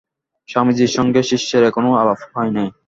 স্বামীজীর সঙ্গে শিষ্যের এখনও আলাপ হয় নাই।